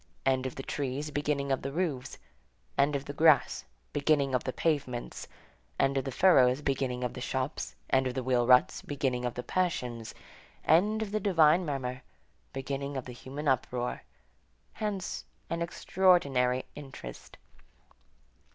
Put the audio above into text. End of the trees, beginning of the roofs; end of the grass, beginning of the pavements; end of the furrows, beginning of the shops, end of the wheel ruts, beginning of the passions; end of the divine murmur, beginning of the human uproar; hence an extraordinary interest.